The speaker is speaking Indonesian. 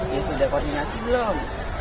ya sudah koordinasi belum